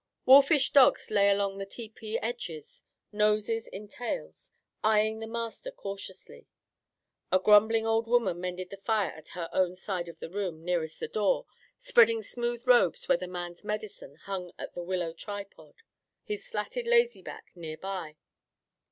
Wolfish dogs lay along the tepee edges, noses in tails, eyeing the master cautiously. A grumbling old woman mended the fire at her own side of the room, nearest the door, spreading smooth robes where the man's medicine hung at the willow tripod, his slatted lazyback near by.